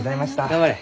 頑張れ。